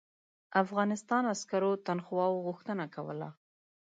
افغانستان عسکرو تنخواوو غوښتنه کوله.